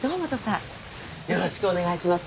よろしくお願いします